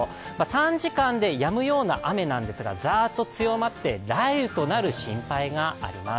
短時間でやむような雨なんですがザーッと強まって雷雨となる心配があります。